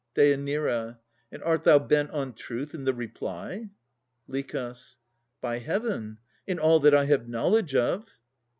DÊ. And art thou bent on truth in the reply? LICH. By Heaven! in all that I have knowledge of.